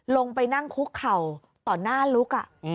ลงไปนั่งคุกเข่าต่อหน้าลุก